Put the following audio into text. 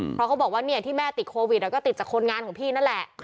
เพราะเขาบอกว่าที่แม่ติดโควิดก็ติดจากคนงานของพี่นั่นแหละ